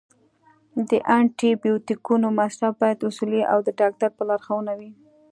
د انټي بیوټیکونو مصرف باید اصولي او د ډاکټر په لارښوونه وي.